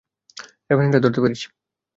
রেফারেন্সটা ধরতে পেরেছি।